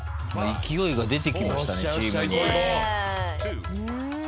勢いが出てきましたねチームに。